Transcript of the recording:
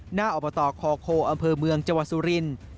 หน้าอบตคอโคอำเภอเมืองจังหวัดสุรินทร์